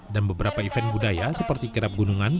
dan beberapa event budaya seperti kerabat